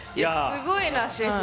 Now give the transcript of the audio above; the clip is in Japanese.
すごいなシェフ。